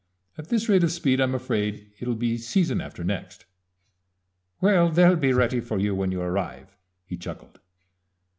"At this rate of speed I'm afraid it'll be season after next." "Well, they'll be ready for you when you arrive," he chuckled.